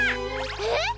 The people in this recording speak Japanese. えっ！？